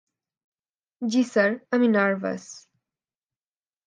জি sir, আমি nervous.